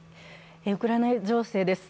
ウクライナ情勢です。